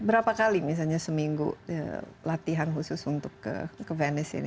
berapa kali misalnya seminggu latihan khusus untuk ke venice ini